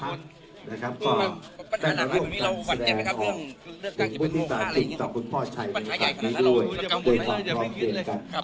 เป็นปัญหาใหญ่ขนาดนั้นเราก็ไม่กลัวแล้วอย่าไปคิดเลย